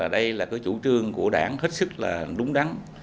đây là cái chủ trương của đảng hết sức là đúng đắn